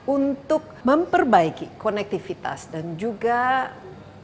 untuk memperbaiki konektivitas dan juga memperbaiki konektivitas